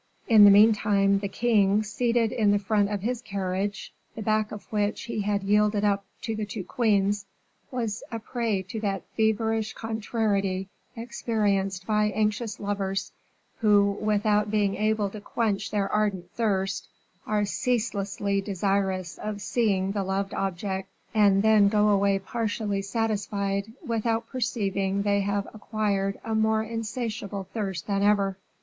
In the meantime the king, seated in the front seat of his carriage, the back of which he had yielded up to the two queens, was a prey to that feverish contrariety experienced by anxious lovers, who, without being able to quench their ardent thirst, are ceaselessly desirous of seeing the loved object, and then go away partially satisfied, without perceiving they have acquired a more insatiable thirst than ever.